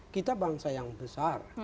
kita bangsa yang besar